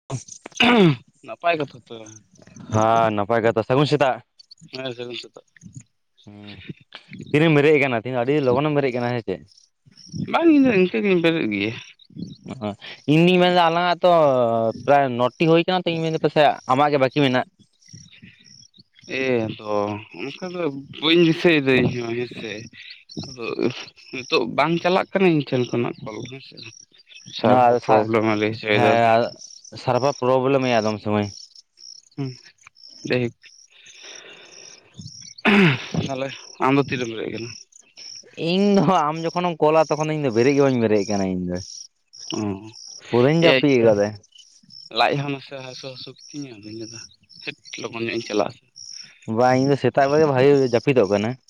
[unintelligible] ᱦᱮᱸ ᱱᱟᱯᱟᱭ ᱠᱟᱛᱷᱟ ᱛᱚ ᱦᱮᱸ ᱱᱟᱯᱟᱭ ᱜᱮᱛᱚ, ᱥᱟᱹᱜᱩᱱ ᱥᱮᱛᱟ ᱦᱮᱸ ᱥᱟᱜᱩᱱ ᱥᱮᱛᱟᱜ ᱦᱸ ᱛᱤᱨᱮᱢ ᱵᱮᱨᱮᱫ ᱟᱠᱟᱱᱟ ᱛᱦᱤᱧ ᱫᱚ ᱟᱹᱰᱤ ᱞᱚᱜᱚᱱᱮᱢ ᱵᱮᱨᱮᱫ ᱟᱠᱟᱱᱟ ᱦᱮᱸ ᱪᱮ? ᱵᱟᱝ ᱤᱧ ᱫᱚ ᱤᱱᱠᱟᱹ ᱜᱤᱧ ᱵᱮᱨᱮᱫ ᱜᱮᱭᱟ ᱤᱧᱫᱩᱧ ᱢᱮᱱᱫᱟ ᱟᱞᱟᱝ ᱟᱜ ᱛᱚ ᱯᱨᱟᱭ ᱱᱚ ᱴᱤ ᱦᱩᱭ ᱟᱠᱟᱱᱟ ᱛᱚ ᱤᱧ ᱯᱟᱥᱮ ᱟᱢᱟᱜ ᱜᱮ ᱵᱟᱹᱠᱤ ᱢᱮᱱᱟᱜ ᱮ ᱟᱫᱚ ᱚᱱᱠᱟ ᱫᱚ ᱵᱟᱹᱧ ᱫᱤᱥᱟᱹᱭ ᱮᱫᱟ ᱤᱧᱦ ᱦᱮᱸᱥᱮ ᱟᱫᱚ ᱱᱤᱛᱳᱜ ᱵᱟᱝ ᱪᱟᱞᱟᱜ ᱠᱟᱱᱟ ᱤᱧ ᱴᱷᱮᱱ ᱠᱷᱚᱱᱟᱜ ᱠᱚᱞ ᱦᱮᱸᱥᱮ᱾ ᱟᱨ ᱥᱟᱨᱵᱷᱟᱨ ᱯᱨᱚᱜᱮᱞᱮᱢ ᱮ ᱞᱟᱹᱭ ᱦᱚᱪᱚ ᱮᱫᱟ ᱾ ᱦᱮᱸ ᱥᱟᱨᱵᱷᱟᱨ ᱯᱨᱚᱵᱞᱮᱢᱮᱼᱟ ᱟᱫᱚᱢ ᱥᱩᱢᱚᱭ ᱦᱮᱸ [unintelligible] ᱛᱟᱦᱞᱮ ᱟᱢ ᱫᱚ ᱛᱤᱨᱮᱢ ᱵᱮᱨᱮᱜ ᱟᱠᱟᱱᱟ ᱤᱧ ᱫᱚ ᱟᱢ ᱡᱚᱠᱷᱚᱱᱮᱢ ᱠᱚᱞᱟ ᱛᱚᱠᱷᱚᱱ ᱫᱚ ᱤᱧ ᱫᱚ ᱵᱮᱨᱮᱫ ᱜᱮ ᱵᱟᱹᱧ ᱵᱮᱨᱮᱫ ᱟᱠᱟᱱᱟ ᱤᱧ ᱫᱚ ᱚ ᱯᱩᱨᱟᱹᱧ ᱡᱟᱹᱯᱤᱫ [unintelligible] ᱠᱟᱫᱟ ᱞᱟᱡ ᱦᱚᱸ ᱢᱟᱥᱮ ᱦᱟᱹᱥᱩ ᱦᱟᱹᱥᱩ ᱠᱤᱫᱤᱧᱟ ᱟᱫᱚᱧ ᱢᱮᱱ ᱞᱮᱫᱟ ᱦᱟᱹᱴ ᱞᱚᱜᱚᱱ ᱧᱚᱜ ᱤᱧ ᱪᱟᱞᱟᱜᱼᱟ᱾ ᱵᱟᱝ ᱤᱧ ᱫᱚ ᱥᱮᱛᱟᱜ ᱵᱮᱲᱟ ᱵᱷᱟᱜᱤ ᱡᱟᱹᱯᱤᱫᱚᱜ ᱠᱟᱱᱟ ᱾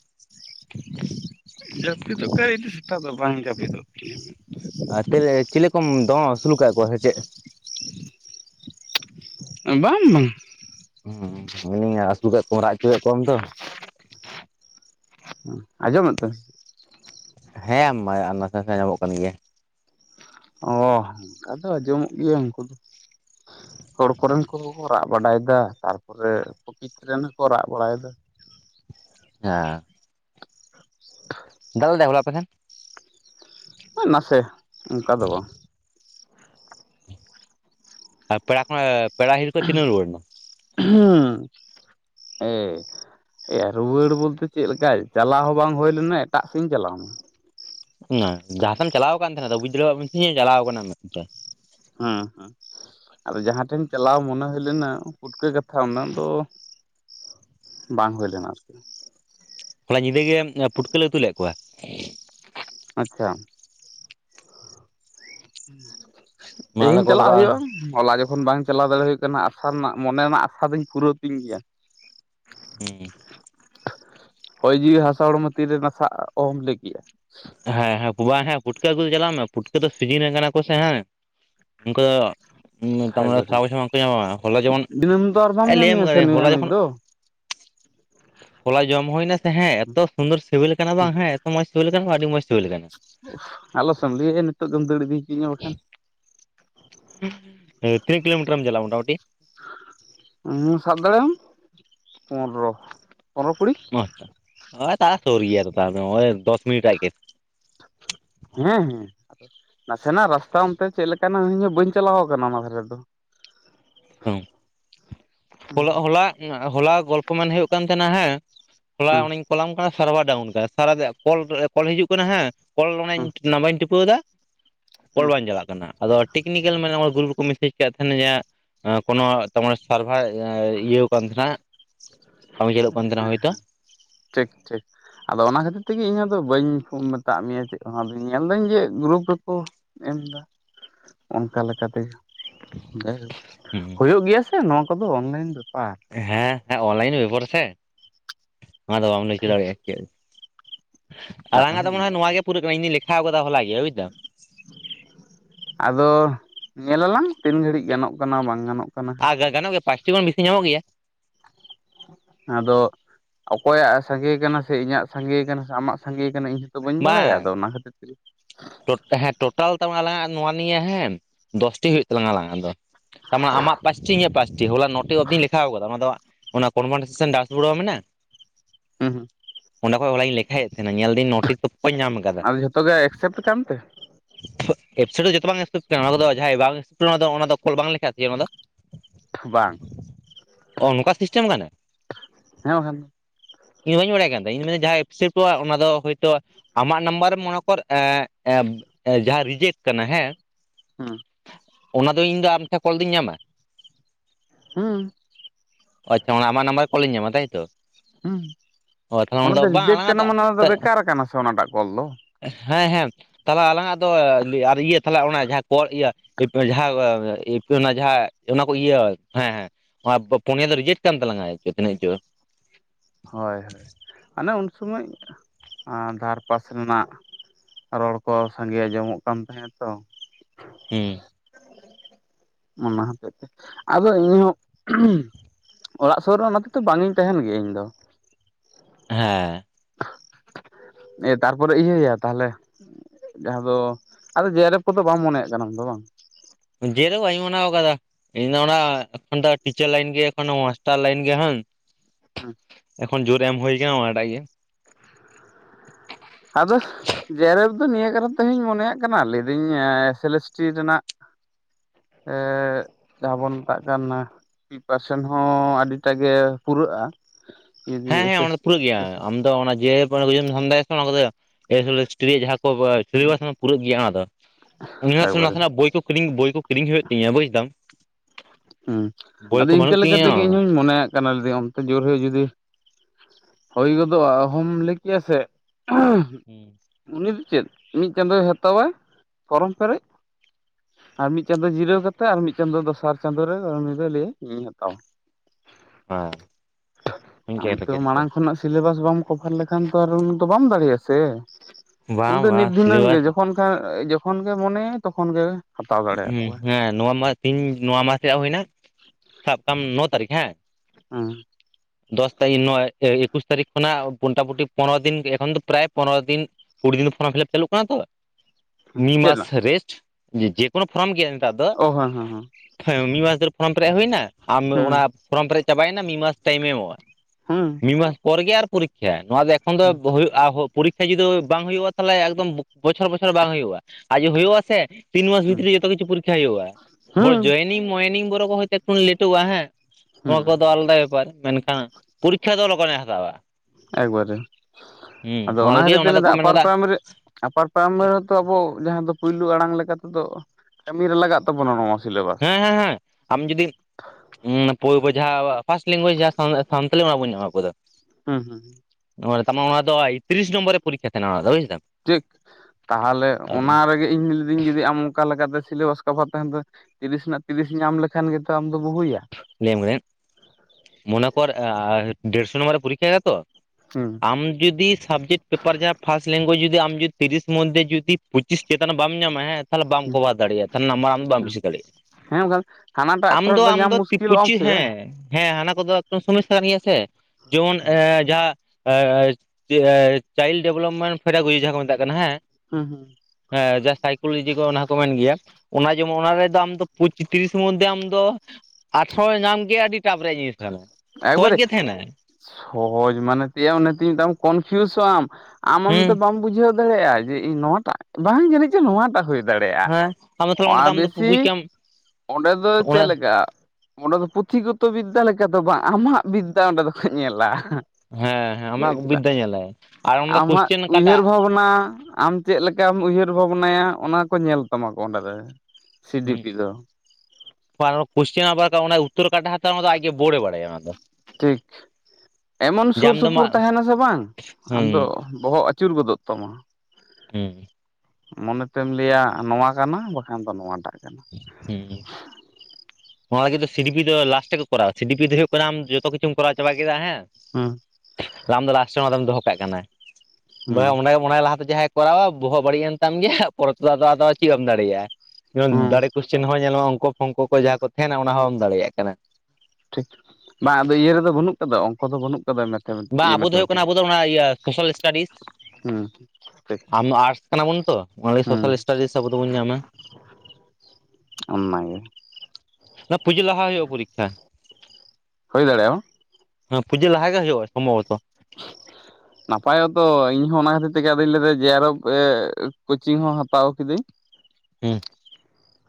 ᱡᱟᱹᱯᱤᱫᱚ ᱜᱮ ᱥᱮᱛᱟᱜ ᱫᱚ ᱵᱟᱝ ᱡᱟᱹᱯᱤᱫᱚᱜ ᱠᱟᱱᱟ ᱟᱨ ᱛᱟᱦᱚᱞᱮ ᱪᱤᱞᱤ ᱠᱚᱢ ᱫᱚᱦᱚ ᱟᱹᱥᱩᱞ ᱟᱠᱟᱫ ᱠᱚᱣᱟ ᱥᱮ ᱪᱮᱫ [inaudible] ᱵᱟᱝ ᱵᱟᱝ ᱦᱮᱸ ᱢᱤᱱᱟᱹᱧᱟ ᱟᱹᱥᱩ ᱠᱮᱫ ᱠᱚᱣᱟᱢ ᱨᱟᱜ ᱦᱚᱪᱚᱭᱮᱫ ᱠᱚᱣᱟᱢ ᱛᱚ ᱟᱸᱡᱚᱢᱮ ᱛᱮᱢ ᱦᱮᱸ ᱟᱢ ᱢᱟ ᱟᱨ ᱱᱟᱥᱮ ᱱᱟᱥᱮ ᱟᱡᱸᱚᱢᱚᱜ ᱠᱟᱱ ᱜᱮᱭᱟ ᱚ ᱚᱱᱠᱟ ᱫᱚ ᱟᱸᱡᱚᱢᱚᱜ ᱜᱮᱭᱟ ᱩᱱᱠᱩ ᱫᱚ ᱦᱚᱲ ᱠᱚᱨᱮᱱ ᱠᱚᱦᱚᱠᱚ ᱨᱟᱜ ᱵᱟᱲᱟᱭᱮᱫᱟ ᱛᱟᱨᱯᱚᱨᱮ ᱯᱚᱠᱤᱛ ᱨᱮᱱ ᱦᱚᱠᱚ ᱨᱟᱜ ᱵᱟᱲᱟᱭᱮᱫᱟ ᱦᱮᱸ ᱫᱟ ᱞᱮᱫᱟ ᱦᱚᱞᱟ ᱟᱯᱮ ᱥᱮᱱ ᱱᱟᱥᱮ ᱚᱱᱠᱟ ᱫᱚ ᱵᱟᱝ ᱟᱨ ᱯᱮᱲᱟ ᱠᱚ ᱯᱮᱲᱟ ᱦᱤᱨᱤ ᱠᱷᱚᱱ ᱛᱤᱨᱮᱢ ᱨᱩᱣᱟᱹᱲ ᱮᱱᱟ ᱦᱩᱸ ᱦᱮ᱾ ᱮᱭᱟ ᱨᱩᱣᱟᱹᱲ ᱵᱚᱞᱛᱮ ᱪᱮᱜ ᱞᱮᱠᱟ ᱪᱟᱞᱟᱣ ᱦᱚᱸ ᱵᱟᱝ ᱦᱳᱭ ᱞᱮᱱᱟ ᱮᱴᱟᱜ ᱥᱮᱫ ᱤᱧ ᱪᱟᱞᱟᱣ ᱱᱟ᱾ ᱡᱟᱦᱟᱸᱥᱮᱢ ᱪᱟᱞᱟᱣ ᱠᱟᱱ ᱛᱟᱦᱮᱱᱟ ᱛᱚ ᱵᱩᱡᱽ ᱫᱟᱲᱮᱭᱟᱜ ᱢᱮ ᱛᱷᱤᱧ ᱪᱟᱞᱟᱣ ᱠᱟᱱᱟᱢ ᱢᱮᱱ ᱛᱮ᱾ ᱦᱮᱸ ᱦᱮᱸ᱾ ᱟᱫᱚ ᱡᱟᱦᱟᱸ ᱴᱷᱮᱱ ᱪᱟᱞᱟᱣ ᱢᱚᱱᱮ ᱦᱩᱭ ᱞᱮᱱᱟ ᱯᱩᱴᱠᱟᱹ ᱠᱟᱛᱷᱟ ᱚᱱᱟ ᱫᱚ ᱵᱟᱝ ᱦᱳᱭ ᱞᱮᱱᱟ ᱟᱨᱠᱤ᱾ ᱦᱚᱞᱟ ᱧᱤᱫᱟᱹ ᱜᱮ ᱯᱩᱴᱠᱟᱹᱞᱮ ᱩᱛᱩ ᱞᱮᱫ ᱠᱚᱣᱟ ᱾ ᱟᱪᱪᱷᱟ᱾ ᱢᱟ ᱟᱞᱮ ᱛᱮᱦᱮᱧ ᱠᱚ ᱪᱟᱞᱟᱜ ᱞᱟᱜᱟᱜᱼᱟ ᱦᱳᱭᱳᱜᱼᱟ ᱾ ᱦᱚᱞᱟ ᱡᱚᱠᱷᱚᱱ ᱵᱟᱝ ᱪᱟᱞᱟᱣ ᱫᱟᱲᱮ ᱦᱩᱭ ᱠᱟᱱᱟ ᱟᱥᱟ ᱨᱮᱱᱟᱜ ᱢᱚᱱᱮ ᱨᱮᱱᱟᱜ ᱟᱥᱟ ᱫᱚᱧ ᱯᱩᱨᱟᱹᱣ ᱛᱤᱧ ᱜᱮᱭᱟ ᱾ ᱦᱮᱸ᱾ ᱦᱚᱭ ᱡᱤᱣᱤ ᱦᱟᱥᱟ ᱦᱚᱲᱢᱚ ᱛᱤᱨᱮ ᱱᱟᱥᱟᱜᱼᱟ ᱚᱦᱚᱢ ᱞᱟᱹᱭ ᱠᱮᱭᱟ ᱾ ᱦᱮᱸ ᱦᱮᱸ ᱵᱟᱝ ᱦᱮᱸ ᱯᱩᱴᱠᱟᱹ ᱟᱜᱩ ᱫᱚ ᱪᱟᱞᱟᱜ ᱢᱮ ᱯᱩᱴᱠᱟᱹ ᱫᱚ ᱥᱤᱡᱤᱱ ᱨᱮᱱ ᱠᱟᱱᱟ ᱠᱚᱥᱮ ᱦᱟᱝ᱾ ᱳᱱᱠᱳ ᱫᱚ᱾ ᱦᱩᱸ ᱛᱟᱨᱢᱟᱱᱮ ᱮᱠᱵᱟᱨᱮ ᱥᱟᱨᱟ ᱵᱚᱪᱷᱚᱨ ᱵᱟᱝ ᱠᱚ ᱧᱟᱢᱚᱜᱼᱟ᱾ ᱦᱚᱞᱟ ᱡᱮᱢᱚᱱ ᱫᱤᱱᱟᱹᱢ ᱫᱚ ᱟᱨ ᱵᱟᱢ ᱞᱟᱹᱭ ᱟᱢ ᱧᱟᱢᱮᱭᱟ ᱥᱮ ᱠᱟᱹᱱᱤᱧ ᱱᱩᱭ ᱦᱚᱞᱟ ᱱᱩᱭ ᱡᱚᱠᱷᱚᱱ ᱫᱚ ᱦᱚᱞᱟ ᱡᱚᱢ ᱦᱳᱭᱱᱟ ᱥᱮ ᱦᱮᱸ ᱮᱛᱚ ᱥᱩᱱᱫᱚᱨ ᱥᱮᱵᱨᱞ ᱠᱟᱱᱟ ᱵᱟᱝ ᱦᱮᱸ ᱮᱛᱚ ᱢᱚᱸᱡᱽ ᱩᱛᱩ ᱞᱮᱠᱷᱟᱱ ᱟᱹᱰᱤ ᱢᱚᱡᱽ ᱥᱤᱵᱤᱞ ᱠᱟᱱᱟ᱾ ᱟᱞᱚ ᱥᱮᱢ ᱞᱟᱹᱭ ᱮᱭᱟ ᱱᱤᱛᱚᱜ ᱜᱮᱢ ᱫᱟᱹᱲ ᱤᱫᱤ ᱦᱚᱪᱳᱧᱟ ᱵᱟᱠᱷᱟᱱ᱾ ᱛᱤᱱᱟᱹᱜ ᱠᱤᱞᱳᱢᱤᱴᱟᱨ ᱮᱢ ᱪᱟᱞᱟᱜᱼᱟ ᱢᱚᱴᱟᱢᱩᱴᱤ? ᱥᱟᱵ ᱫᱟᱲᱮᱟᱢ ᱯᱚᱱᱨᱚ, ᱯᱚᱱᱨᱚ ᱠᱩᱲᱤ ᱚ ᱟᱪᱪᱷᱟ, ᱚ ᱛᱟᱦᱚᱞᱮ ᱥᱳᱨ ᱜᱮᱭᱟ ᱛᱚ ᱳᱭ ᱫᱚᱥ ᱢᱤᱱᱤᱴ ᱟᱜ ᱠᱷᱮᱞ᱾ ᱦᱮᱸ ᱦᱮᱸ᱾ ᱟᱫᱚ ᱱᱟᱥᱮᱱᱟᱜ ᱨᱟᱥᱛᱟ ᱚᱱᱛᱮ ᱪᱮᱜ ᱞᱮᱠᱟᱱᱟ ᱤᱧ ᱦᱚᱸ ᱵᱟᱹᱧ ᱪᱟᱞᱟᱣ ᱠᱟᱱᱟ ᱚᱱᱟ ᱫᱷᱟᱨᱮ ᱫᱚ᱾ ᱦ ᱦᱮᱸ ᱦᱚ ᱦᱚᱞᱟ ᱦᱚᱞᱟ ᱜᱚᱞᱯᱚ ᱢᱮᱱ ᱦᱳᱭᱳᱜ ᱠᱟᱱ ᱛᱟᱦᱮᱱᱟ ᱦᱮᱸ, ᱦᱚᱞᱟ ᱦᱮᱸ ᱚᱱᱮᱧ ᱠᱚᱞᱟᱢ ᱠᱟᱱᱟ ᱥᱟᱨᱵᱷᱟᱨ ᱰᱟᱣᱩᱱ ᱟᱠᱟᱱᱟ ᱥᱟᱨᱟ ᱨᱮ ᱠᱚᱞ ᱦᱤᱡᱩᱜ ᱠᱟᱱᱟ ᱦᱟᱝ ᱠᱚᱞ ᱚᱱᱮᱧ ᱱᱟᱢᱵᱟᱨᱤᱧ ᱴᱤᱯᱟᱹᱣ ᱫᱟ ᱠᱚᱞ ᱦᱮᱸ ᱵᱟᱝ ᱪᱟᱞᱟᱜ᱾ ᱠᱟᱱᱟ ᱟᱫᱚ ᱴᱮᱠᱱᱤᱠᱮᱞ ᱢᱟᱱᱮ ᱜᱩᱨᱩᱞ ᱨᱮ ᱠᱚ ᱢᱮᱥᱮᱡ ᱠᱟᱜ ᱛᱟᱦᱮᱱᱟ ᱡᱮ ᱠᱚᱱᱳ ᱥᱟᱨᱵᱷᱟᱨ [unintelligible] ᱤᱭᱟᱹᱣ ᱠᱟᱱ ᱛᱟᱦᱮᱱᱟᱜ᱾ ᱦᱮᱸ ᱦᱮᱸ ᱴᱷᱤᱠ ᱴᱷᱤᱠ᱾ ᱟᱫᱚ ᱚᱱᱟ ᱠᱷᱟᱹᱛᱤᱨ ᱛᱮᱜᱮ ᱤᱧ ᱫᱚ ᱵᱟᱹᱧ ᱢᱮᱛᱟᱫ ᱢᱮᱭᱟ ᱡᱮ ᱪᱮᱜ ᱦᱚᱸ ᱟᱫᱚ ᱧᱮᱞᱫᱟᱹᱧ ᱡᱮ ᱜᱨᱩᱯ ᱨᱮᱠᱚ ᱮᱢᱫᱟ ᱚᱝᱠᱟ ᱞᱮᱠᱟ ᱛᱮᱜᱮ᱾ ᱦᱩᱸ ᱦᱩᱭᱩᱜ ᱜᱮᱭᱟ ᱥᱮ ᱱᱚᱣᱟ ᱠᱚᱫᱚ ᱚᱱᱞᱟᱭᱤᱱ ᱵᱮᱯᱟᱨ᱾ ᱦᱮᱸ ᱦᱮᱸ ᱚᱱᱞᱟᱭᱤᱱ ᱵᱮᱵᱚᱦᱟᱨ ᱥᱮ ᱚᱱᱟᱫᱚ ᱵᱟᱢ ᱞᱟᱹᱭ ᱦᱚᱪᱚ ᱴᱷᱤᱠ ᱫᱟᱲᱮᱭᱟᱜᱼᱟ ᱪᱮᱫ, ᱟᱞᱟᱝ ᱟᱜ ᱫᱚ ᱢᱚᱱᱮ ᱦᱚᱭ ᱱᱚᱣᱟ ᱜᱮ ᱯᱩᱨᱟᱹᱜ ᱠᱟᱱᱟ ᱤᱧᱫᱩᱧ ᱞᱮᱠᱷᱟᱣ ᱠᱟᱫᱟ ᱦᱚᱞᱟ ᱜᱮ ᱵᱩᱡ ᱫᱟᱢ᱾ ᱟᱫᱚ ᱧᱮᱞᱟᱞᱟᱝ ᱛᱤᱱ ᱜᱷᱟᱹᱲᱤᱜ ᱜᱟᱱᱚᱜ ᱠᱟᱱᱟ ᱵᱟᱝ ᱜᱟᱱᱚᱜ ᱠᱟᱱᱟ ᱦᱮᱸᱥᱮ ᱟ ᱜᱟᱱᱚᱜ ᱜᱮᱭᱟ ᱯᱟᱪᱴᱤ ᱠᱷᱚᱱ ᱵᱮᱥᱤ ᱧᱟᱢᱚᱜ ᱜᱤᱭᱟ᱾ ᱟᱫᱚ ᱚᱠᱚᱭᱟᱜ ᱥᱟᱸᱜᱮ ᱠᱟᱱᱟ ᱥᱮ ᱤᱧᱟᱹᱜ ᱥᱟᱸᱜᱮ ᱠᱟᱱᱟ ᱥᱮ ᱟᱢᱟᱜ ᱥᱟᱸᱜᱮ ᱠᱟᱱᱟ ᱤᱧ, ᱫᱚ ᱵᱟᱹᱧ ᱵᱟᱲᱟᱭᱟ ᱟᱫᱚ ᱵᱟᱝ ᱚᱱᱟ ᱠᱷᱟᱹᱛᱤᱨ ᱛᱮᱜᱮ ᱦᱮᱸ ᱴᱳᱴᱟᱞ ᱛᱚ ᱟᱞᱟᱝᱟᱜ ᱱᱚᱣᱟ ᱱᱤᱭᱟᱹ ᱦᱮᱸ ᱫᱚᱥᱴᱤ ᱦᱩᱭᱩᱜ ᱛᱟᱞᱟᱝᱟ ᱟᱞᱟᱝ ᱟᱜ ᱫᱚ ᱾ ᱛᱟᱨᱢᱟᱱᱮ ᱟᱢᱟᱜ ᱯᱟᱸᱪᱴᱤ ᱤᱧᱟᱹᱜ ᱯᱟᱸᱪᱴᱤ ᱦᱚᱞᱟ ᱱᱚᱴᱤ ᱚᱵᱫᱤ ᱞᱮᱠᱷᱟ ᱟᱷᱟᱣ ᱟᱠᱟᱫᱟ ᱚᱱᱟ ᱫᱚ ᱚᱱᱟ ᱠᱚᱱᱵᱷᱟᱨᱥᱮᱥᱚᱱ ᱰᱟᱥᱵᱳᱨᱰ ᱵᱟᱝ ᱢᱮᱱᱟᱜᱼᱟ ᱦᱩᱸ ᱦᱩᱸ ᱚᱸᱰᱮ ᱠᱷᱚᱡ ᱦᱚᱞᱟᱧ ᱞᱮᱠᱷᱟᱭᱮᱫ ᱛᱟᱦᱮᱱᱟ ᱧᱮᱞ ᱫᱟᱹᱧ ᱱᱳᱴᱤᱥ ᱛᱚᱭᱛᱷᱚᱧ ᱧᱟᱢ ᱠᱟᱫᱟ᱾ ᱛᱚᱵᱮ ᱮᱠᱥᱮᱯᱴ ᱠᱟᱱᱛᱮ, ᱮᱜᱥᱮᱵ ᱨᱮ ᱡᱚᱛᱚ ᱵᱟᱝ ᱮᱜᱥᱮᱵ ᱛᱟᱭᱟ ᱚᱱᱟ ᱠᱚᱫᱚ ᱡᱟᱦᱟᱸᱭ ᱵᱟᱝ ᱚᱱᱟ ᱫᱚ ᱠᱚᱞ ᱵᱟᱝ ᱞᱮᱠᱷᱟ ᱚᱱᱟ ᱫᱚ᱾ ᱵᱟᱝ, ᱚ ᱱᱚᱝᱠᱟ ᱥᱤᱥᱴᱮᱢ ᱠᱟᱱᱟ, ᱦᱮᱸ ᱵᱟᱠᱷᱟᱱ ᱫᱚ ᱤᱧ ᱵᱟᱹᱧ ᱵᱟᱲᱟᱭ ᱠᱟᱱ ᱛᱟᱦᱮᱸ ᱤᱧ ᱢᱮᱱᱫᱟ ᱡᱟᱦᱟᱸ ᱮᱯᱥᱮᱯᱴᱚᱜᱼᱟ ᱚᱱᱟ ᱫᱚ ᱦᱳᱭᱛᱳ ᱟᱢᱟᱜ ᱱᱟᱢᱵᱟᱨᱮᱢ ᱢᱚ ᱚᱨ ᱮᱸ ᱮᱸ ᱡᱟᱦᱟᱸ ᱨᱤᱡᱮᱠᱴ ᱠᱟᱱᱟ ᱦᱮᱸ, ᱦᱩᱸ ᱚᱱᱟ ᱫᱚ ᱤᱧ ᱫᱚ ᱟᱢᱴᱷᱮᱱ ᱠᱚᱞ ᱫᱚᱧ ᱧᱟᱢᱟ, ᱦᱩᱸ ᱟᱪᱪᱷᱟ ᱚᱱᱟ ᱟᱢᱟᱜ ᱱᱟᱢᱵᱟᱨ ᱠᱚᱞᱞᱤᱧ ᱧᱟᱢᱟ, ᱛᱟᱭ ᱛᱚ? ᱦᱩᱸ ᱚᱱᱟ ᱫᱚ ᱵᱟᱝ ᱨᱤᱡᱮᱜᱴ ᱟᱞᱟᱝᱟᱜ ᱠᱟᱱᱟ ᱢᱟᱱᱮ ᱚᱱᱟ ᱫᱚ ᱵᱮᱠᱟᱨ ᱠᱟᱱᱟ ᱥᱮ ᱚᱱᱟᱴᱟᱜ ᱠᱚᱞ ᱫᱚ᱾ ᱦᱮᱸ ᱦᱮᱸ ᱛᱟᱦᱚᱞᱮ ᱟᱞᱟᱝᱟᱜ ᱫᱚ ᱤᱭᱟᱹ ᱛᱟᱦᱚᱞᱮ ᱚᱱᱟ ᱡᱟᱦᱟᱸ ᱠᱚᱨ ᱤᱭᱟᱹ, [unintelligible] ᱡᱟᱦᱟᱸ ᱡᱟᱦᱟᱸ ᱚᱱᱟ ᱠᱚ ᱤᱭᱟᱹ ᱦᱮᱸ ᱦᱮᱸ᱾ ᱯᱩᱱᱭᱟ ᱫᱚ ᱨᱤᱡᱮᱠᱴ ᱠᱟᱱ ᱛᱟᱞᱟᱝᱼᱟ ᱪᱚ ᱛᱤᱱᱟᱹᱜ ᱪᱚ, ᱦᱳᱭ ᱦᱳᱭ ᱚᱱᱮ ᱩᱱᱥᱚᱢᱚᱭ ᱫᱷᱟᱨᱯᱟᱥ ᱨᱮᱱᱟᱜ, ᱨᱚᱲᱠᱚ ᱥᱟᱸᱜᱮ ᱟᱸᱡᱚᱢᱚᱜ ᱠᱟᱱ ᱛᱟᱦᱮᱸ ᱛᱚ᱾ ᱦᱮᱸ᱾ ᱚᱱᱟ ᱦᱚᱛᱮᱜ ᱛᱮ ᱟᱫᱚ ᱤᱧᱦᱚᱸ ᱚᱲᱟᱜ ᱥᱩᱨ ᱨᱮ ᱚᱱᱟ ᱛᱮᱫᱚ ᱵᱟᱝ ᱤᱧ ᱛᱟᱦᱮᱱ ᱜᱮᱭᱟ ᱤᱧ ᱫᱚ᱾ ᱦᱮᱸ, ᱮ ᱛᱟᱨᱯᱚᱨᱮ ᱤᱭᱟᱹᱭᱟ ᱛᱟᱦᱞᱮ, ᱡᱟᱦᱟᱸ ᱫᱚ ᱟᱫᱚ ᱡᱮ ᱟᱨ ᱮᱯᱷ ᱠᱚᱫᱚ ᱵᱟᱢ ᱢᱚᱱᱮᱭᱟᱜ ᱠᱟᱱᱟ ᱟᱢ ᱫᱚ ᱵᱟᱝ ᱾ ᱱᱤᱡᱮ ᱫᱚ ᱵᱟᱹᱧ ᱢᱟᱱᱟᱣ ᱠᱟᱫᱟ᱾ ᱤᱧ ᱫᱚ ᱚᱱᱟ ᱮᱠᱷᱚᱱ ᱫᱚ ᱴᱤᱪᱟᱨ ᱞᱟᱭᱤᱱ ᱜᱮ ᱮᱠᱷᱚᱱ ᱫᱚ ᱢᱟᱥᱴᱟᱨ ᱞᱟᱭᱤᱱ ᱜᱮ ᱦᱩᱢ ᱩᱸ ᱮᱠᱷᱚᱱ ᱡᱳᱨ ᱮᱢ ᱦᱩᱭ ᱟᱠᱟᱱᱟ ᱚᱱᱟᱴᱟᱜ ᱜᱮ᱾ ᱟᱵᱮ ᱜᱮᱨᱮᱵᱽ ᱫᱚ ᱱᱤᱭᱟᱹ ᱠᱟᱨᱚᱱ ᱛᱮᱦᱩᱧ ᱢᱚᱱᱮᱭᱟᱜ ᱠᱟᱱᱟ ᱞᱟᱹᱭ ᱫᱤᱧ ᱮᱥ ᱮᱞ ᱮᱥ ᱴᱤ ᱨᱮᱱᱟᱜ ᱮᱸ ᱡᱟᱦᱟᱸ ᱵᱚᱱ ᱢᱮᱛᱟᱜ ᱠᱟᱱ ᱚᱱᱟ ᱦᱩᱸ ᱯᱟᱥᱮᱱ ᱦᱚᱸ ᱟᱹᱰᱤᱴᱟ ᱜᱮ ᱯᱩᱨᱟᱹᱜᱼᱟ ᱾ ᱦᱮᱸ ᱚᱱᱟ ᱫᱚ ᱯᱩᱨᱟᱹᱜ ᱜᱮᱭᱟ ᱮᱥ ᱟᱢᱫᱚ ᱚᱱᱟ ᱡᱮ F [unintelligible] S L S T ᱡᱟᱦᱟᱸ ᱠᱚ ᱥᱤᱞᱮᱵᱟᱥ ᱢᱟ ᱯᱩᱨᱟᱹᱜ ᱜᱮᱭᱟ ᱚᱱᱟ ᱫᱚ ᱤᱧ ᱦᱚᱸ ᱮᱠᱵᱟᱨᱮ ᱱᱟᱥᱮᱱᱟᱜ ᱵᱳᱭ ᱠᱚ ᱠᱤᱨᱤᱧ ᱵᱳᱭ ᱠᱚ ᱠᱤᱨᱤᱧ ᱦᱩᱭᱩᱜ ᱛᱤᱧᱟᱹ ᱵᱩᱡᱽᱫᱟᱢ ᱾ ᱦᱩᱸ ᱟᱫᱚ ᱤᱱᱠᱟᱹ ᱞᱮᱠᱟ ᱛᱮᱜᱮ ᱤᱧᱦᱚᱧ ᱢᱚᱱᱮᱭᱟᱜ ᱠᱟᱱᱟ ᱞᱟᱫᱤᱧ ᱚᱱᱛᱮ ᱡᱳᱨ ᱦᱩᱭᱩ ᱡᱩᱫᱤᱼᱼ ᱦᱩᱭ ᱜᱚᱫᱚᱜᱼᱟ ᱟᱨᱦᱚᱢ ᱞᱟᱹᱭ ᱠᱮᱭᱟ ᱥᱮ ᱦᱩᱸ ᱾ ᱩᱱᱤ ᱫᱚ ᱪᱮᱫ ᱢᱤᱫ ᱪᱟᱸᱫᱳᱭ ᱦᱟᱛᱟᱭᱟ ᱯᱷᱚᱨᱚᱢ ᱯᱮᱨᱮᱡ ᱟᱨ ᱢᱤᱫ ᱪᱟᱸᱫᱳ ᱡᱤᱨᱟᱹᱣ ᱠᱟᱛᱮᱫ ᱟᱨ ᱢᱤᱫ ᱪᱟᱸᱫᱚ ᱫᱚᱥᱟᱨ ᱪᱟᱸᱫᱳ ᱨᱮ ᱩᱱᱤ ᱫᱚ ᱞᱟᱹᱭ ᱤᱧᱤᱧ ᱦᱟᱛᱟᱣᱟ ᱦᱩᱧ ᱟᱢ ᱪᱮᱠ ᱫᱟ ᱛᱚ ᱠᱮᱥ ᱫᱚ ᱢᱟᱲᱟᱝ ᱠᱷᱚᱱᱟᱜ ᱥᱤᱞᱮᱵᱟᱥ ᱵᱟᱢ ᱠᱚᱵᱷᱟᱨ ᱞᱮᱠᱷᱟᱱ ᱫᱚ ᱵᱟᱢ ᱫᱟᱲᱮᱭᱟᱜᱼᱟ ᱥᱮ ᱩᱱ ᱵᱟᱝ ᱫᱚ ᱵᱟᱝ ᱱᱤᱛ ᱫᱷᱤᱱᱟᱹᱝ ᱜᱮ ᱥᱤᱞᱮᱵᱟᱥ ᱡᱚᱠᱷᱚᱱ ᱠᱷᱟᱱ ᱡᱚᱠᱷᱚᱱ ᱜᱮ ᱢᱚᱱᱮᱭᱟᱭ ᱛᱚᱠᱷᱚᱱ ᱜᱮ᱾ ᱦᱟᱛᱟᱣ ᱫᱟᱲᱮᱭᱟᱠᱚᱣᱟᱭ ᱦᱮᱸ ᱱᱚᱣᱟ ᱢᱟ‌ᱥ ᱛᱮᱦᱤᱧ ᱱᱚᱣᱟ ᱢᱟᱥ ᱨᱮᱭᱟᱜ ᱦᱩᱭᱱᱟ ᱥᱟᱵ ᱠᱟᱢ ᱱᱚ ᱛᱟᱹᱨᱤᱠᱷ ᱦᱮᱸ᱾ ᱦᱮᱸ᱾ [inaudible] ᱫᱚᱥ ᱛᱟᱨᱤᱠᱷ ᱱᱚᱜ ᱚᱭ ᱮᱠᱩᱥ ᱛᱟᱹᱨᱤᱠᱷ ᱠᱷᱚᱱᱟᱜ ᱢᱳᱚᱴᱟᱢᱩᱴᱤ ᱯᱚᱱᱮᱨᱚ ᱫᱤᱱ ᱮᱠᱷᱚᱱ ᱫᱚ ᱯᱨᱟᱭ ᱯᱚᱱᱮᱨᱚ ᱫᱤᱱ ᱠᱩᱲᱤ ᱫᱤᱱ ᱯᱷᱚᱨᱚᱢ ᱯᱷᱤᱞᱟᱯ ᱪᱟᱹᱞᱩᱜ ᱠᱟᱱᱟ ᱛᱚ, ᱢᱤᱜ ᱪᱮᱫ ᱢᱟᱥ ᱞᱟᱝ ᱨᱮᱥᱴ ᱡᱮᱠᱳᱱᱳ ᱯᱷᱨᱚᱢ ᱜᱮ ᱱᱮᱛᱟᱨ ᱫᱚ, ᱚ ᱦᱮᱸ ᱦᱮᱸ ᱦᱮᱸ ᱢᱤᱫ ᱢᱟᱥ ᱫᱷᱚᱨᱮ ᱯᱷᱨᱚᱢ ᱯᱮᱨᱮᱡ ᱦᱩᱭᱱᱟ ᱟᱢ ᱦᱮᱸ ᱚᱱᱟ ᱯᱷᱨᱚᱢ ᱯᱮᱨᱮᱡ ᱪᱟᱵᱟᱭᱱᱟ ᱢᱤᱫ ᱢᱟᱥ ᱴᱟᱭᱤᱢᱮ ᱮᱢᱚᱜᱼᱟ ᱦᱚᱸ ᱢᱤᱜ ᱢᱟᱥ ᱯᱚᱨ ᱜᱮ ᱟᱨ ᱯᱚᱨᱤᱠᱠᱷᱟ ᱱᱚᱣᱟ ᱫᱚ ᱮᱠᱷᱚᱱ ᱫᱚ ᱦᱩᱭᱩᱜᱼᱟ ᱯᱚᱨᱤᱠᱠᱷᱟ ᱡᱩᱫᱤ ᱵᱟᱝ ᱦᱩᱭᱩᱜᱼᱟ ᱛᱟᱦᱚᱞᱮ ᱮᱠᱫᱚᱢ ᱵᱚᱪᱷᱚᱨ ᱵᱚᱪᱷᱚᱨ ᱵᱟᱝ ᱦᱩᱭᱩᱜᱼᱟ ᱟᱨ ᱡᱮ ᱦᱩᱭᱩᱜᱼᱟ ᱥᱮ ᱦᱮᱸ [unintelligible] ᱡᱚᱛᱚᱠᱤᱪᱷᱩ ᱯᱚᱨᱤᱠᱠᱷᱟ ᱦᱭᱳᱜᱼᱟ ᱵᱚ ᱦᱮᱸ ᱡᱚᱭᱮᱱᱤᱝ ᱢᱚᱭᱮᱱᱤᱝ ᱵᱚᱨᱚ ᱠᱚ ᱦᱚ ᱮᱠᱴᱩ ᱞᱮᱴᱚᱜᱼᱟ ᱦᱮᱸ, ᱱᱚᱣᱟ ᱦᱮᱸ ᱠᱚᱫᱚ ᱟᱞᱟᱫᱟ ᱵᱮᱯᱟᱨ ᱢᱮᱱᱠᱷᱟᱱ ᱯᱚᱨᱤᱠᱠᱷᱟ ᱫᱚ ᱞᱚᱜᱚᱱᱮ ᱦᱟᱛᱟᱣᱟ᱾ ᱮᱠᱵᱟᱨᱮ ᱦᱩᱸ ᱟᱫᱚ ᱚᱱᱟ ᱞᱟᱹᱜᱤᱫ ᱠᱷᱟᱹᱛᱤᱨ ᱛᱮᱧ ᱫᱚᱠᱚ ᱞᱟᱹᱭᱫᱟ ᱢᱮᱱ ᱟᱯᱟᱨ ᱠᱟᱫᱟ ᱯᱨᱟᱭᱢᱟᱨᱤ ᱟᱯᱟᱨ ᱯᱨᱟᱭᱢᱟᱨᱤ ᱦᱚᱸᱛᱚ ᱟᱵᱚ ᱡᱟᱦᱟᱸ ᱫᱚ ᱯᱩᱭᱞᱩ ᱟᱲᱟᱝ ᱞᱮᱠᱟ ᱛᱮᱫᱚ ᱠᱟᱹᱢᱤ ᱨᱮ ᱞᱟᱜᱟᱜ ᱛᱟᱵᱳᱱᱟ ᱱᱚᱣᱟ ᱥᱤᱞᱮᱵᱟᱥ ᱦᱩᱸ ᱦᱩᱸ ᱦᱩᱸ ᱟᱢ ᱡᱩᱫᱤᱢ ᱦᱩᱸ ᱯᱩᱭ ᱵᱚᱡᱷᱟᱣ ᱯᱷᱟᱥᱴ ᱞᱮᱝᱜᱩᱭᱮᱡᱽ ᱡᱟᱦᱟᱸ ᱥᱟᱱᱛᱟᱞᱤ ᱚᱱᱟ ᱵᱚᱱ ᱧᱟᱢᱟ ᱟᱵᱚ ᱫᱚ ᱦᱩᱸ ᱦᱩᱸ ᱛᱟᱢᱢᱟᱱ ᱚᱱᱟ ᱫᱚ ᱛᱤᱨᱤᱥ ᱱᱚᱢᱵᱚᱨ ᱨᱮ ᱯᱚᱨᱤᱠᱠᱷᱟ ᱛᱟᱦᱮᱱᱟ ᱚᱱᱟᱫᱚ ᱵᱩᱡᱷ ᱫᱟᱢ ᱴᱤᱠ ᱛᱟᱦᱞᱮ ᱟᱫᱚ ᱚᱱᱟ ᱨᱮᱜᱮ ᱤᱧ ᱞᱤᱫᱟᱹᱧ ᱡᱩᱫᱤ ᱟᱢ ᱚᱱᱠᱟ ᱞᱮᱠᱟᱛᱮ ᱥᱤᱞᱮᱵᱟᱥ ᱠᱵᱷᱟᱨ ᱛᱟᱦᱮᱱ ᱛᱟ ᱛᱤᱨᱤᱥ ᱨᱮᱱᱟᱜ ᱛᱤᱨᱤᱥ ᱧᱟᱢ ᱞᱮᱠᱷᱟᱱ ᱜᱮᱛᱚ ᱟᱢ ᱫᱚᱢ ᱦᱩᱭᱟ ᱞᱟᱹᱭ ᱟᱢ ᱠᱟᱹᱱᱟᱧ ᱦᱮᱸ ᱢᱚᱱᱮ ᱠᱚᱨ ᱰᱮᱲᱥᱚ ᱱᱟᱢᱵᱟᱨ ᱯᱚᱨᱤᱠᱠᱟᱭᱟ ᱦᱩᱭᱩᱜ ᱟ ᱛᱚ ᱦᱩᱸ ᱟᱢ ᱡᱩᱫᱤ ᱥᱟᱵᱡᱮᱠᱴ ᱯᱮᱯᱟᱨ ᱡᱟᱦᱟᱸ ᱯᱷᱟᱥᱴ ᱞᱮᱝᱜᱩᱭᱡᱽ ᱡᱩᱫᱤ ᱟᱢ ᱡᱩᱫᱤ ᱛᱤᱨᱤᱥ ᱢᱚᱫᱽᱫᱷᱮ ᱡᱩᱫᱤ ᱯᱚᱪᱤᱥ ᱪᱮᱛᱟᱱ ᱵᱟᱝ ᱧᱟᱢᱟ ᱦᱮᱸ ᱛᱟᱦᱞᱮ ᱵᱟᱢ ᱠᱚᱵᱷᱟᱨ ᱫᱟᱲᱮᱭᱟᱜᱼᱟ ᱛᱟᱦᱞᱮ ᱱᱟᱢᱵᱟᱨ ᱟᱢ ᱫᱚ ᱵᱟᱢ ᱦᱮᱸ ᱵᱤᱥᱤ ᱫᱟᱲᱮᱭᱟᱜᱼᱟ ᱦᱮᱸ ᱵᱟᱠᱷᱟᱱ ᱦᱟᱱᱟᱴᱟᱜ ᱟᱢ ᱠᱚᱨᱮ ᱫᱚ ᱟᱢ ᱧᱟᱢ ᱫᱚ ᱢᱩᱥᱠᱤᱞᱚᱜ ᱟᱢ ᱯᱩᱪᱤ ᱥᱮ ᱦᱮᱸ ᱦᱮᱸ ᱦᱟᱱᱟ ᱠᱚᱫᱚ ᱥᱚᱢᱚᱥᱥᱟ ᱠᱟᱱ ᱜᱮᱭᱟ ᱥᱮ ᱡᱮᱢᱚᱱ ᱡᱟᱦᱟᱸ ᱮ ᱪᱟᱭᱤᱞᱰ ᱰᱮᱵᱷᱞᱚᱯᱢᱮᱱᱴ ᱯᱷᱮᱲᱟᱜᱤᱷᱩᱭ ᱡᱟᱦᱟᱸ ᱠᱚ ᱢᱮᱛᱟᱜ ᱠᱟᱱᱟ ᱦᱮᱸ ᱦᱩᱸ ᱦᱩᱸ ᱦᱮᱸ ᱡᱟᱦᱟᱸ ᱥᱟᱭᱠᱳᱞᱚᱡᱤ ᱠᱚ ᱚᱱᱟ ᱠᱚ ᱢᱮᱱ ᱜᱮᱭᱟ ᱚᱱᱟ ᱡᱮᱢᱚᱱ ᱚᱱᱟ ᱨᱮᱫᱚ ᱟᱢ ᱫᱚ ᱯᱚᱸᱪᱤᱥ ᱛᱤᱨᱤᱥ ᱢᱚᱫᱽᱫᱷᱮ ᱟᱢ ᱫᱚ ᱟᱴᱷᱨᱚ ᱧᱟᱢ ᱜᱮᱭ ᱟᱹᱰᱤ ᱴᱟᱯ ᱨᱮᱭ ᱡᱤᱱᱤᱥ ᱠᱟᱱᱟ ᱥᱚᱦᱚᱡ ᱮᱠᱵᱟᱨᱮ ᱜᱮ ᱛᱟᱦᱮᱱᱟ ᱥᱚᱦᱚᱡ ᱢᱟᱱᱮ ᱛᱚᱭᱟ ᱚᱱᱟᱛᱮ ᱠᱚᱱᱯᱷᱤᱭᱩᱥᱚᱜ ᱟᱢ ᱟᱢ ᱟᱢ ᱛᱮ ᱦᱩᱸ ᱵᱟᱢ ᱵᱩᱡᱷᱟᱹᱣ ᱫᱟᱲᱮᱭᱟᱜᱼᱟ ᱡᱮ ᱤᱧ ᱱᱚᱣᱟᱴᱟᱜ ᱵᱟᱝ ᱡᱟᱹᱱᱤᱡ ᱪᱚᱝ ᱱᱚᱣᱟᱴᱟᱜ ᱦᱩᱭᱼᱟ ᱫᱟᱲᱮᱭᱟᱜᱼᱟ ᱦᱮᱸ ᱟᱢ ᱫᱚ ᱛᱟᱦᱚᱞᱮ ᱚᱸᱰᱮ ᱟᱸ ᱫᱚ ᱟᱢ ᱫᱚ ᱵᱮᱥᱤ ᱵᱩᱡ ᱠᱮᱟᱢ ᱚᱸᱰᱮ ᱫᱚ ᱪᱮᱫ ᱚᱱᱟ ᱞᱮᱠᱟ ᱚᱸᱰᱮ ᱫᱚ ᱯᱩᱛᱷᱤ ᱜᱚᱛᱚ ᱵᱤᱫᱽᱫᱫᱟ ᱞᱮᱠᱟ ᱫᱚ ᱵᱟᱝ ᱟᱢᱟᱜ ᱵᱤᱫᱽᱫᱟ ᱚᱸᱰᱮ ᱫᱚᱠᱚ ᱧᱮᱞᱟ ᱦᱮᱸ ᱦᱮᱸ ᱵᱩᱡᱷ ᱟᱢᱟᱜ ᱠᱮᱫᱟᱢ ᱵᱤᱫᱽᱫᱟᱹ ᱧᱮᱞᱟᱭ ᱟᱨ ᱚᱱᱟ ᱫᱚ ᱟᱢᱟᱜ ᱠᱚᱥᱪᱮᱱ ᱩᱭᱦᱟᱹᱨ ᱚᱠᱟᱴᱟᱜ ᱵᱷᱟᱵᱱ ᱱᱟ ᱟᱢ ᱪᱮᱫ ᱞᱮᱠᱟᱢ ᱩᱭᱦᱟᱹᱨ ᱵᱷᱟᱵᱽᱱᱟᱭᱟ ᱚᱱᱟ ᱠᱚ ᱧᱮᱞ ᱛᱟᱢᱟ ᱠᱚ ᱚᱸᱰᱮ ᱫᱚ ᱥᱤᱡᱮᱯᱤ ᱫᱚ ᱟᱸᱨᱦᱚᱸᱠᱚᱳᱥᱪᱮᱱ ᱟᱵᱟᱨ ᱚᱱᱟ ᱩᱛᱚᱨ ᱠᱟᱴᱟ ᱦᱟᱛᱟᱣ ᱚᱱᱟ ᱟᱡ ᱜᱮ ᱵᱳᱲᱮ ᱵᱟᱲᱟᱭᱟ ᱚᱱᱟ ᱫᱚ ᱴᱷᱤᱠ ᱮᱢᱚᱱ ᱡᱮ ᱥᱩᱨ ᱟᱢ ᱫᱚ ᱢᱟ ᱥᱩᱯᱩᱨ ᱛᱟᱦᱮᱱᱟ ᱥᱮ ᱵᱟᱝ ᱟᱢ ᱦᱩᱸ ᱫᱚ ᱵᱚᱦᱚᱜ ᱟ ᱟᱹᱪᱩᱨ ᱜᱚᱫᱚᱜ ᱛᱟᱢᱟ᱾ ᱦᱩᱸ ᱢᱚᱱᱮᱛᱮᱢ ᱞᱟᱹᱭᱟ ᱱᱚᱣᱟ ᱠᱟᱱᱟ ᱵᱟᱠᱷᱟᱱ ᱫᱚ ᱱᱚᱣᱟᱴᱟᱜ ᱠᱟᱱᱟ ᱦᱩᱸ [inaudible] ᱚᱱᱟ ᱞᱟᱹᱜᱤᱫᱚ ᱥᱤᱰᱤᱯᱤ ᱫᱚ ᱞᱟᱥᱴᱮ ᱠᱚ ᱠᱚᱨᱟᱣᱟ ᱥᱤᱰᱤᱯᱤ ᱫᱚ ᱦᱩᱭᱩᱜᱭ ᱠᱟᱱᱟ ᱡᱚᱛᱚ ᱠᱤᱷᱩᱢ ᱠᱚᱨᱟᱣ ᱪᱟᱵᱟ ᱠᱮᱫᱟ ᱦᱮᱸ ᱦᱩᱸ ᱟᱢ ᱫᱚ ᱞᱟᱥᱴᱮ ᱚᱱᱟ ᱫᱚᱢ ᱫᱚᱦᱚ ᱠᱟᱜ ᱠᱟᱱᱟ ᱵᱟ ᱦᱩᱸ ᱚᱸᱰᱮ ᱚᱱᱟ ᱞᱟᱦᱟᱛᱮ ᱡᱟᱦᱟᱸᱭ ᱠᱚᱨᱟᱣᱟ ᱵᱚᱦᱚᱜ ᱵᱟᱹᱲᱤᱡ ᱮᱱ ᱛᱟᱢ ᱜᱮ ᱯᱚᱨᱮ ᱛᱮᱫᱚ ᱟᱫᱚ ᱪᱤ ᱵᱟᱢ ᱫᱟᱲᱮᱭᱟᱜᱼᱟ ᱡᱮᱢᱚᱱ ᱦᱩᱸ ᱫᱟᱲᱮ ᱠᱚᱥᱪᱮᱱ ᱦᱚᱸ ᱧᱮᱞᱚᱜᱼᱟ ᱚᱝᱠᱚ ᱯᱷᱚᱝᱠᱚ ᱠᱚ ᱡᱟᱦᱟᱸ ᱠᱚ ᱛᱮᱦᱮᱱᱟ ᱚᱱᱟ ᱦᱚᱸ ᱵᱟᱢ ᱫᱟᱲᱮᱭᱟᱜ ᱠᱟᱱᱟ ᱴᱷᱤᱠ ᱵᱟᱝ ᱟᱫᱚ ᱤᱭᱟᱹ ᱨᱮᱫᱚ ᱵᱟᱹᱱᱩᱜ ᱠᱟᱫᱟ ᱴᱷᱤᱠ ᱚᱝᱠᱚ ᱫᱚ ᱵᱟᱹᱱᱩᱜ ᱠᱟᱫᱟ ᱢᱮᱛᱷᱮᱼ ᱢᱮᱛᱷᱮ ᱵᱟᱸ ᱟᱵᱚ ᱫᱚ ᱦᱩᱭᱩᱜ ᱠᱟᱱᱟ ᱟᱵᱚ ᱫᱚ ᱚᱱᱟ ᱤᱭᱟᱹ ᱥᱳᱥᱟᱞ ᱥᱴᱟᱰᱤᱥ ᱦᱩᱸ ᱴᱷᱤᱠ ᱟᱢ ᱟᱨᱴᱥ ᱠᱟᱱᱟ ᱵᱚᱱ ᱛᱚ ᱚᱱᱟ ᱥᱳᱥᱟᱞ ᱥᱴᱟᱰᱤᱥ ᱟᱵᱚ ᱫᱚᱵᱚᱱ ᱧᱟᱢᱟ᱾ ᱚᱱᱱᱟ ᱜᱮ ᱚᱱᱟ ᱯᱩᱡᱟᱹ ᱞᱟᱦᱟ ᱦᱩᱭᱩᱜᱼᱟ ᱯᱚᱨᱤᱠᱠᱷᱟ ᱦᱩᱭ ᱫᱟᱲᱮᱭᱟᱜᱼᱟ ᱵᱟᱝ ᱦᱮᱸ ᱯᱩᱡᱟᱹ ᱞᱟᱦᱟ ᱜᱮ ᱦᱩᱭᱩᱜᱼᱟ ᱥᱚᱢᱵᱷᱚᱵᱚᱛᱚ ᱱᱟᱯᱟᱭᱛᱚ ᱤᱧᱦᱚᱸ ᱚᱱᱟ ᱠᱷᱟᱹᱛᱤᱨ ᱛᱮᱜᱮ ᱟᱫᱚᱧ ᱞᱟᱹᱭᱟ ᱫᱟ ᱡᱮᱨᱚᱯᱷ ᱮ ᱠᱚᱪᱤᱝ ᱦᱟᱛᱟᱣ ᱠᱤᱫᱤᱧ ᱦᱩᱸ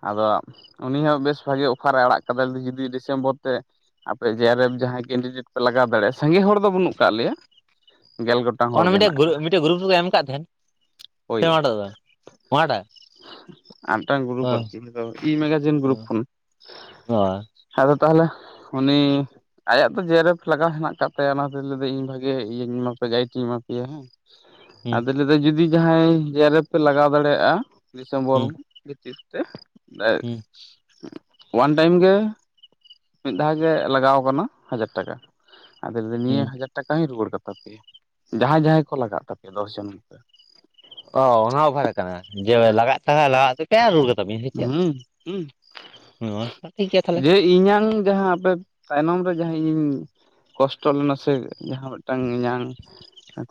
ᱟᱫᱚ ᱩᱱᱤ ᱦᱚᱸ ᱵᱮᱥ ᱵᱷᱟᱜᱮ ᱚᱯᱷᱟᱨᱮ ᱟᱲᱟᱜ ᱠᱟᱫᱟ ᱡᱩᱫᱤ ᱰᱤᱥᱮᱢᱵᱚᱨ ᱛᱮ ᱟᱯᱮ ᱡᱮ ᱟᱨ ᱮᱯᱷ ᱡᱟᱦᱟᱸᱭ ᱠᱮᱱᱰᱤᱰᱮᱴ ᱯᱮ ᱞᱟᱜᱟᱣ ᱫᱟᱲᱮᱭᱟᱜᱼᱟ ᱥᱟᱸᱜᱮ ᱦᱚᱲ ᱫᱚ ᱵᱟᱹᱱᱩᱜ ᱠᱟᱫ ᱞᱮᱭᱟ ᱜᱮᱞ ᱜᱚᱴᱟᱝ ᱦᱚᱲ ᱚᱱᱮ ᱜᱮ ᱢᱤᱫᱴᱮᱡ ᱦᱮᱱᱟᱜ ᱜᱨ ᱠᱟᱜ ᱢᱤᱫᱴᱮᱡ ᱜᱨᱩᱯ ᱨᱮᱠᱚ ᱮᱢ ᱟᱠᱟᱫ ᱛᱟᱦᱮᱸᱱ ᱪᱮ ᱳᱭ ᱚᱱᱟᱴᱟ ᱫᱚ ᱚᱱᱟᱴᱟ ᱟᱨ ᱢᱤᱫᱴᱟᱝ ᱜᱨᱩᱯ ᱦᱚᱸ ᱤ ᱢᱮᱜᱟᱡᱤᱱ ᱜᱨᱩᱯ ᱠᱷᱚᱱ ᱟᱫᱚ ᱛᱟᱦᱞᱮ ᱩᱱᱤ ᱟᱭᱟᱜ ᱫᱚ ᱡᱮᱨᱯᱷ ᱞᱟᱜᱟᱣ ᱦᱮᱱᱟᱜ ᱠᱟᱜ ᱛᱟᱭᱟ ᱚᱱᱟᱛᱮ ᱞᱟᱹᱭᱟ ᱤᱧ ᱵᱷᱟᱜᱤ ᱤᱭᱟᱹᱧ ᱮᱢᱟ ᱯᱮᱭᱟ ᱜᱟᱭᱤᱰ ᱤᱧ ᱮᱢᱟ ᱯᱮᱭᱟ ᱦᱮᱸ ᱟᱫᱚ ᱞᱟᱹᱭᱫᱟ. ᱡᱩᱫᱤ ᱡᱟᱦᱟᱸᱭ ᱡᱮᱨᱟᱨᱮᱯᱷ ᱯᱮ ᱞᱟᱜᱟᱣ ᱫᱟᱲᱮᱭᱟᱜᱼᱟ ᱰᱤᱥᱮᱢᱵᱚᱨ ᱵᱷᱤᱛᱤᱨ ᱛᱮ [unintelligible] ᱳᱣᱟᱱ ᱴᱟᱭᱤᱢ ᱜᱮ ᱢᱤᱫ ᱫᱷᱟᱣ ᱜᱮ ᱞᱟᱜᱟᱣ ᱟᱠᱟᱱᱟ ᱦᱟᱡᱟᱨ ᱴᱟᱠᱟ ᱾ ᱟᱫᱚ ᱞᱮᱫᱤᱧ ᱱᱤᱭᱟᱹ ᱦᱟᱡᱟᱨ ᱴᱟᱠᱟ ᱦᱚᱸᱧ ᱨᱩᱣᱟᱹᱲ ᱠᱟᱛᱟ ᱯᱮᱭᱟ ᱡᱟᱦᱟᱸᱭ ᱡᱟᱦᱟᱸᱭ ᱠᱚ ᱞᱟᱜᱟᱜ ᱛᱟᱯᱮᱭᱟ ᱫᱚᱥ ᱡᱚᱱ ᱛᱮ ᱚ ᱚᱱᱟ ᱚᱵᱷᱟᱨᱮ ᱠᱟᱱᱟ ᱡᱮ ᱞᱟᱜᱟᱜ ᱠᱟᱱᱟ ᱞᱟᱜᱟᱜ ᱾ ᱮᱠᱟᱭ ᱨᱩᱣᱟᱹᱲ ᱠᱟᱛᱟ ᱞᱤᱭᱟ. ᱦᱩᱸ ᱦᱩᱸ ᱧ ᱪᱮᱫ ᱟᱪᱪᱷᱟ ᱴᱷᱤᱠ ᱜᱮᱭᱟ ᱛᱟᱦᱚᱞᱮ ᱾ ᱤᱧᱟᱹᱝ ᱡᱟᱦᱟᱸ ᱟᱯᱮ ᱛᱟᱭᱱᱚᱢ ᱨᱮ ᱡᱟᱦᱟᱸ ᱤᱧ ᱠᱚᱥᱴᱚ ᱞᱮᱱᱟ ᱥᱮ ᱡᱟᱦᱟᱸ ᱢᱤᱫᱴᱟᱝ ᱤᱧᱟᱝ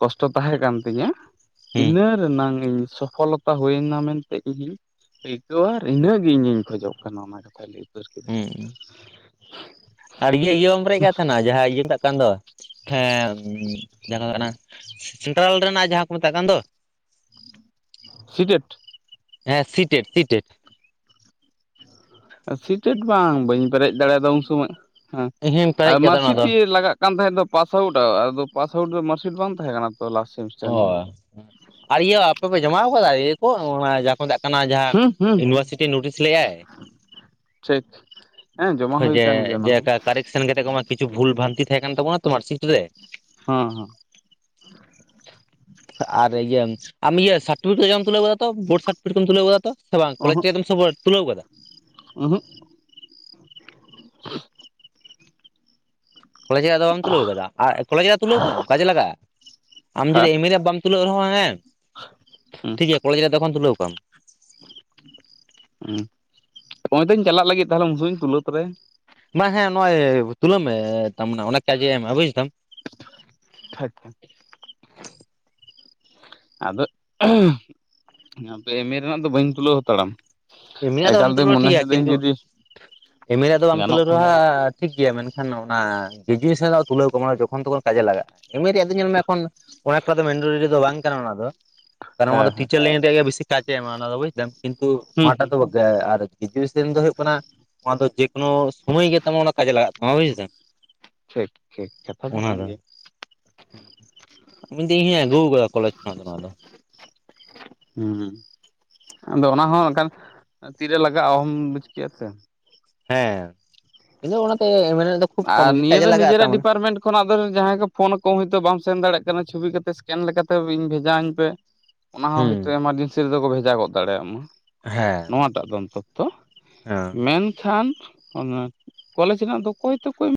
ᱠᱚᱥᱴᱚ ᱛᱟᱦᱮᱸᱠᱟᱱ ᱛᱤᱧᱟᱹ ᱾ ᱦᱩᱸ ᱤᱱᱟᱹ ᱨᱮᱱᱟᱝ ᱤᱧ ᱥᱚᱯᱷᱚᱞᱚᱛᱟ ᱦᱩᱭᱱᱟ ᱢᱮᱱᱛᱮ ᱤᱧᱤᱧ ᱥᱮᱭᱛᱚ ᱟᱨ ᱤᱱᱟᱹᱜ ᱜᱮ ᱤᱧᱤᱧ ᱠᱷᱚᱡᱚᱜ ᱠᱟᱱᱟ ᱚᱱᱟ ᱠᱟᱛᱷᱟᱭ ᱞᱟᱹᱭ ᱫᱟ ᱾ ᱦᱩᱸ ᱟᱨ ᱤᱭᱟᱹ ᱤᱭᱟ. ᱵᱟᱢ ᱯᱮᱨᱮᱜ ᱠᱟᱜᱛᱟᱱᱟ ᱡᱟᱦᱟᱸ ᱤᱭᱟᱹ ᱠᱟᱱ ᱫᱚ ᱦᱮᱸ ᱡᱜᱟ ᱠᱟᱱᱟ ᱥᱮᱱᱴᱨᱟᱞ ᱨᱮᱱᱟᱜ ᱡᱟᱦᱟᱸ ᱠᱚ ᱢᱮᱛᱟᱜ ᱠᱟᱱ ᱫᱚ ᱥᱤᱡᱮᱴ ᱦᱮᱸ ᱥᱤᱴᱮᱰ ᱥᱤᱴᱮᱰ ᱥᱤᱴᱮᱴ ᱵᱟᱝ ᱵᱟᱹᱧ ᱯᱮᱨᱮᱡ ᱫᱟᱲᱮᱭᱟᱫᱟ ᱩᱱ ᱥᱚᱢᱚᱭ ᱦᱮᱸ ᱤᱧ ᱦᱚᱧ ᱟᱨ ᱯᱮᱨᱮᱡ ᱠᱟᱫᱟ ᱚᱱᱟ ᱢᱟᱨᱥᱤᱴ ᱫᱚ ᱤᱭᱟᱹ ᱞᱟᱜᱟᱜ ᱼᱼ ᱠᱟᱱ ᱛᱟᱦᱮᱸᱫ ᱫᱚ ᱯᱟᱥᱟᱣᱩᱴ ᱟᱫᱚ ᱯᱟᱥᱟᱣᱩᱴ ᱫᱚ ᱢᱟᱨᱥᱤᱴ ᱵᱟᱝ ᱛᱟᱦᱮᱸ ᱠᱟᱱᱟ ᱛᱚ ᱞᱟᱥ ᱼᱼ ᱚ ᱟᱨ ᱤᱭᱟᱹ ᱟᱯᱮ ᱯᱮ ᱡᱚᱢᱟ ᱟᱠᱟᱫᱟ ᱤᱭᱟᱹ ᱠᱚ ᱚᱱᱮ ᱠᱚ ᱢᱮᱛᱟᱜ ᱠᱟᱱᱟ ᱡᱟᱦᱟᱸ ᱦᱩᱸ ᱦᱩᱸ ᱤᱭᱩᱱᱤᱵᱷᱟᱨᱥᱤᱴᱤ ᱱᱳᱴᱤᱥ ᱞᱮᱜᱟᱭ ᱾ ᱴᱷᱤᱠ ᱦᱮᱸ ᱡᱚᱢᱟ ᱦᱩᱭ ᱡᱮ ᱠᱟᱱ ᱜᱮᱭᱟ ᱚᱱᱟ ᱦᱚᱸ ᱠᱮᱠᱟ ᱠᱟᱨᱮᱠᱴ ᱥᱮᱱ ᱠᱟᱛᱮ ᱠᱚᱢᱟ ᱠᱤᱪᱷᱩ ᱵᱷᱩᱞ ᱵᱷᱟᱱᱛᱤ ᱛᱟᱦᱮᱸ ᱠᱟᱱ ᱛᱟᱵᱚᱱᱟ ᱛᱚ ᱢᱟᱨᱥᱤᱴ ᱨᱮ ᱾ ᱦᱚᱸ ᱦᱚᱸ ᱟᱨ ᱤᱭᱟᱹ ᱟᱢ ᱤᱭᱟᱹ ᱥᱟᱨᱯᱷᱤᱠᱮᱴ ᱠᱟᱢ ᱛᱩᱞᱟᱹᱣ ᱟᱠᱟᱫᱟᱚ ᱛᱚ ᱵᱳᱰ ᱥᱟᱴ ᱼᱼ ᱯᱤᱴ ᱠᱚᱢ ᱛᱩᱞᱟᱹᱣ ᱟᱠᱟᱫᱟ ᱛᱚ ᱥᱮ ᱵᱟᱝ ᱠᱚᱞᱡᱽ ᱪᱮᱛᱮᱢ ᱥᱚᱵᱚᱛ ᱛᱩᱞᱟᱹᱣ ᱟᱠᱟᱫᱟ ᱾ ᱩᱸᱦᱩᱜ [inaudible] ᱠᱚᱞᱡᱽ ᱨᱮᱭᱟᱜ ᱫᱚ ᱵᱟᱢ ᱛᱩᱞᱟᱹᱣ ᱟᱠᱟᱫᱟ ᱟᱨ ᱠᱚᱞᱟᱡᱽ ᱨᱮᱭᱟᱜ ᱛᱩᱞᱟᱹᱣᱠᱟᱢ ᱠᱟᱡᱮ ᱞᱟᱜᱼᱟ ᱞᱟᱜᱟᱼᱟ ᱡᱩᱫᱤ ᱦᱮᱸ ᱮᱢ ᱨᱮ ᱵᱟᱢ ᱾ ᱛᱩᱞᱟᱹᱣ ᱨᱮᱦᱚᱸ ᱦᱮᱸ ᱦᱩᱸ ᱴᱷᱤᱠ ᱜᱮᱭᱟ ᱠᱚᱞᱮᱡᱽ ᱨᱮᱭᱟᱜ ᱫᱚᱠᱷᱚᱱ ᱛᱩᱞᱟᱹᱣ ᱟᱠᱟᱢ ᱾ ᱦᱩᱸ ᱦᱚᱜᱼᱚᱭ ᱛᱚᱧ ᱪᱟᱞᱟᱜ ᱞᱟᱹᱜᱤᱫ ᱛᱟᱦᱞᱮ ᱩᱱᱥᱩᱚᱢ ᱤᱧ ᱛᱩᱞᱟᱹᱛᱚᱨᱟᱭᱟ ᱾ ᱵᱟ ᱦᱮᱸ ᱱᱚᱜᱼᱚᱭ ᱛᱩᱞᱟᱹᱣ ᱢᱮ ᱛᱟᱢᱱᱮ ᱚᱱᱮᱠ ᱠᱟᱡᱮ ᱮᱢᱟ ᱵᱩᱡ ᱛᱟᱢ ᱾ ᱟᱪᱪᱷᱟ ᱟᱫᱚ ᱟᱫᱚ ᱮᱢ ᱮ ᱨᱮᱱᱟᱜ ᱫᱚ ᱵᱟᱹᱧ ᱛᱩᱞᱟᱹᱣ ᱦᱟᱛᱟᱲᱟᱢ ᱾ ᱮᱢ ᱮ ᱨᱮᱱᱟᱜ ᱫᱚ ᱵᱟᱢ ᱛᱩᱞᱟᱹᱣ ᱨᱮᱦᱚ ᱴᱷᱤᱠ ᱜᱮᱭᱟ ᱠᱤᱱᱛᱩ ᱮᱢ ᱮ ᱨᱮᱱᱟᱜ ᱫᱚ ᱵᱟᱢ ᱜᱟᱱᱚᱜ ᱛᱩᱞᱟᱹᱣ ᱠᱷᱟᱱ ᱨᱮᱦᱚ ᱫᱚ ᱴᱷᱤᱠ ᱜᱮᱭᱟ ᱢᱮᱱᱠᱷᱟᱱ ᱚᱱᱟ ᱜᱨᱮᱡᱩᱭᱮᱥᱚᱱ ᱨᱮᱭᱟᱜ ᱫᱚ ᱛᱩᱞᱟᱹᱣ ᱠᱟᱢ ᱡᱚᱠᱷᱚᱱ ᱛᱚᱠᱷᱚᱱ ᱠᱟᱡᱮ ᱞᱟᱜᱟᱜᱼᱟ ᱮᱢ ᱮ ᱨᱮᱭᱟᱜ ᱫᱚ ᱧᱮᱞ ᱢᱮ ᱮᱠᱷᱚᱱ ᱚᱱᱮᱠᱴᱟ ᱫᱚ ᱢᱮᱱᱰᱟᱴᱳᱨᱤ ᱫᱚ ᱵᱟᱝ ᱠᱟᱱᱟ ᱚᱱᱟ ᱫᱚ᱾ ᱠᱟᱨᱚᱱ ᱚᱱᱟ ᱦᱮᱸ ᱫᱚ ᱦᱮᱸ ᱴᱤᱪᱟᱨ ᱞᱟᱭᱤᱱ ᱨᱮᱭᱟᱜ ᱜᱮ ᱵᱮᱥᱤ ᱠᱟᱡᱮ ᱮᱢᱟ ᱚᱱᱟ ᱫᱚ ᱵᱩᱡᱫᱟᱢ ᱠᱤᱱᱛᱩ ᱦᱩᱸ ᱚᱱᱟᱴᱟᱜ ᱦᱩᱸ ᱫᱚ ᱟᱨ ᱜᱨᱮᱡᱩᱭᱮᱥᱚᱱ ᱫᱚ ᱦᱳᱭᱳᱜ ᱠᱟᱱᱟ ᱟᱱᱟ ᱫᱚ ᱡᱮᱠᱳᱱᱳ ᱥᱚᱢᱚᱭ ᱜᱮ ᱛᱟᱢᱟᱱᱮ ᱚᱱᱟ ᱠᱟᱡ ᱨᱮ ᱞᱟᱜᱟᱜ ᱛᱟᱢᱟ ᱵᱩᱡᱫᱟᱢ ᱾ ᱴᱷᱤᱠ ᱴᱷᱤᱠ ᱠᱟᱛᱷᱟ ᱫᱚ ᱠᱟᱱ ᱜᱮᱭᱟ ᱾ ᱢᱤᱜᱫᱤᱱ ᱤᱧ ᱦᱚᱸᱧ ᱟᱜᱩᱣ ᱠᱟᱫᱟ ᱠᱚᱞᱮᱡ ᱠᱷᱚᱱᱟᱜ ᱫᱚ ᱱᱚᱣᱟ ᱫᱚ ᱦᱩᱸ ᱟᱫᱚ ᱚᱱᱟ ᱦᱚᱸ ᱠᱷᱟᱱ ᱛᱤᱨᱮ ᱞᱟᱜᱟᱜᱼᱟ ᱚᱦᱚᱢ ᱵᱩᱡ ᱠᱮᱭᱟ ᱥᱮ ᱾ ᱦᱮᱸ ᱤᱧᱫᱚ ᱚᱱᱟᱛᱮ ᱮᱢᱮ ᱟᱨ ᱱᱤᱭᱟᱹ ᱫᱚ ᱱᱤᱡᱮᱨᱟᱜ ᱰᱤᱯᱟᱨᱢᱮᱱᱴ ᱠᱷᱚᱱᱟᱜ [unintelligible] ᱡᱟᱦᱟᱸᱭ ᱠᱚ ᱯᱷᱳᱱ ᱠᱚ ᱦᱳᱭᱛᱳ ᱵᱟᱢ ᱥᱮᱱ ᱫᱟᱲᱮᱭᱟᱜ ᱠᱟᱱᱟ ᱪᱷᱚᱵᱤ ᱠᱟᱛᱮᱜ ᱥᱠᱮᱱ ᱞᱮᱠᱟᱛᱮ ᱤᱧ ᱵᱷᱮᱡᱟ ᱟᱹᱧ ᱯᱮ ᱾ ᱚᱱᱟ ᱦᱚᱸ ᱦᱩᱸ ᱦᱚᱭᱛᱳ ᱮᱢᱟᱨᱡᱮᱱᱥᱤ ᱨᱮᱫᱚ ᱠᱚ ᱵᱷᱮᱡᱟ ᱜᱚᱫ ᱫᱟᱲᱮᱭᱟᱜ ᱢᱟ ᱾ ᱦᱮᱸ ᱱᱚᱣᱟᱴᱟᱜ ᱫᱚ ᱚᱱᱛᱚᱛᱚ ᱦᱮᱸ ᱢᱮᱱᱠᱷᱟᱱ ᱚᱱᱟ ᱠᱚᱞᱮᱡᱽ ᱨᱮᱱᱟᱜ ᱫᱚ ᱚᱠᱚᱭ ᱛᱚᱠᱚ